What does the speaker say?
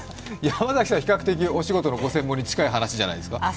山崎さん、比較的、お仕事のご専門に近い話じゃないですか。